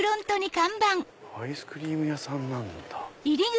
アイスクリーム屋さんなんだ。